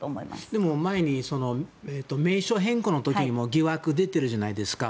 でも前に名称変更の時も疑惑が出てるじゃないですか